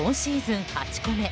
これで今シーズン８個目。